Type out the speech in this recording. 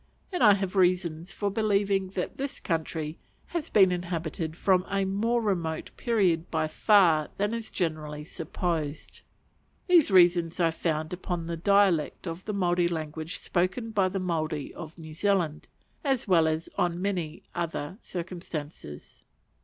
And I have reasons for believing that this country has been inhabited from a more remote period by far than is generally supposed. These reasons I found upon the dialect of the Maori language spoken by the Maori of New Zealand, as well as on many other circumstances.